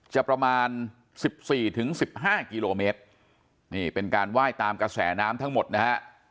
ประมาณ๑๔๑๕กิโลเมตรนี่เป็นการไหว้ตามกระแสน้ำทั้งหมดนะฮะ